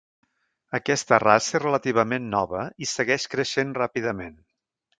Aquesta raça és relativament nova i segueix creixent ràpidament.